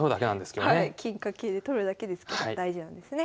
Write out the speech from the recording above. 金か桂で取るだけですけど大事なんですね。